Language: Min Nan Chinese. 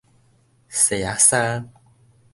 紗仔衫